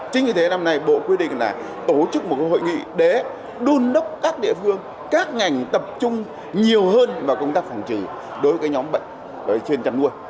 chính vì thế năm nay bộ quyết định là tổ chức một hội nghị để đôn đốc các địa phương các ngành tập trung nhiều hơn vào công tác phòng trừ đối với nhóm bệnh trên chăn nuôi